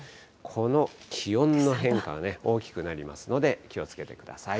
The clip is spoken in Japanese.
この気温の変化が大きくなりますので、気をつけてください。